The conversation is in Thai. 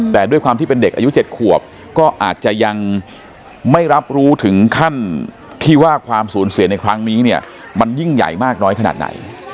แต่ด้วยความที่เป็นเด็กอายุ๗ขวบก็อาจจะยังไม่รับรู้ถึงขั้นที่ว่าความสูญเสียในครั้งนี้เนี่ยมันยิ่งใหญ่มากน้อยขนาดไหน